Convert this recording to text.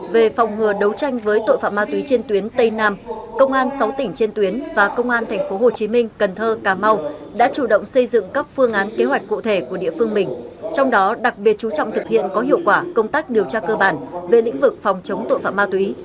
ba nghìn sáu trăm ba mươi ba về phòng hừa đấu tranh với tội phạm ma túy trên tuyến tây nam công an sáu tỉnh trên tuyến và công an tp hcm cần thơ cà mau đã chủ động xây dựng các phương án kế hoạch cụ thể của địa phương mình trong đó đặc biệt chú trọng thực hiện có hiệu quả công tác điều tra cơ bản về lĩnh vực phòng chống tội phạm ma túy